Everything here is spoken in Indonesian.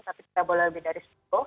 tapi tidak boleh lebih dari sepuluh